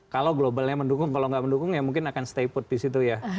kalau globalnya mendukung kalau nggak mendukung ya mungkin akan staypool di situ ya